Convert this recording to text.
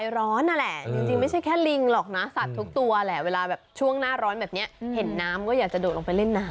ร้อนนั่นแหละจริงไม่ใช่แค่ลิงหรอกนะสัตว์ทุกตัวแหละเวลาแบบช่วงหน้าร้อนแบบนี้เห็นน้ำก็อยากจะโดดลงไปเล่นน้ำ